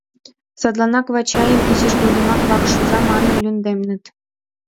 Садланак Вачайым изиж годымак вакш оза манын лӱмденыт.